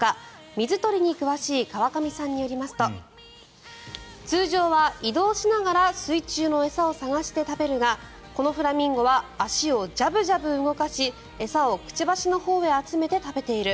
水鳥に詳しい川上さんによりますと通常は移動しながら水中の餌を探して食べるがこのフラミンゴは足をジャブジャブ動かし餌をくちばしのほうへ集めて食べている